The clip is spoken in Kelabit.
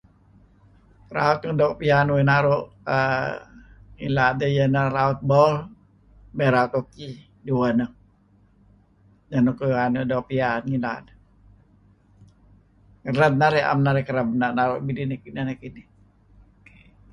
Raut nuk doo' pian uih naru' uhm ngilad iyeh ineh raut bol may aut hoki dueh neh. Neh nuk doo' pian narih ngilad. Ngered narih naem narih kereb naru' nuk midih nuk ineh nekinih.